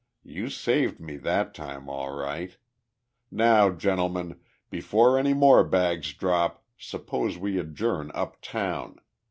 "You saved me that time all right! Now, gentlemen, before any more bags drop, suppose we adjourn uptown.